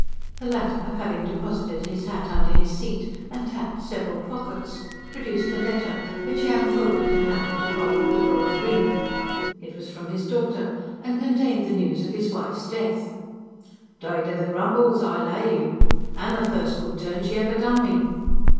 The latter, having deposited his hat under his seat and tapped several pockets, produced a letter, which he unfolded and handed to Polly with a broad grin. It was from his daughter, and contained the news of his wife's death. "Died o' the grumbles, I lay you! An' the first good turn she ever done me."